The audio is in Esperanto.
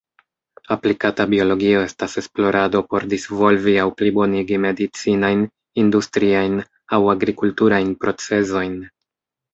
Aplikata biologio estas esplorado por disvolvi aŭ plibonigi medicinajn, industriajn, aŭ agrikulturajn procezojn.